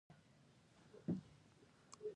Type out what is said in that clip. اداره باید د رشوت څخه پاکه وي.